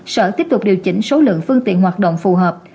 sở tiếp tục điều chỉnh số lượng phương tiện hoạt động phù hợp